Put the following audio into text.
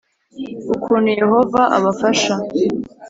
Ukuntu yehova abafasha